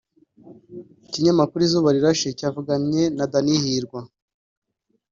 Ikinyamakuru Izuba Rirashe cyavuganye na Danny Hirwa